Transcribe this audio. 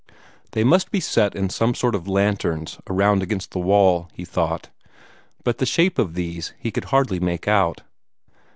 They must be set in some sort of lanterns around against the wall, he thought, but the shape of these he could hardly make out.